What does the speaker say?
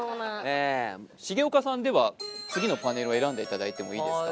重岡さんでは次のパネルを選んでいただいてもいいですか？